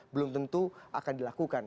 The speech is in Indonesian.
belum tentu akan dilakukan